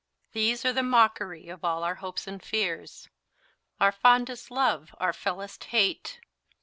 These are the mockery of all our hopes and fears, our fondest love our fellest hate.